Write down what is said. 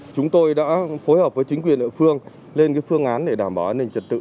chúng tôi đã phối hợp với chính quyền địa phương lên phương án để đảm bảo an ninh trật tự